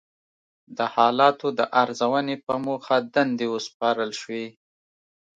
د حالاتو د ارزونې په موخه دندې وسپارل شوې.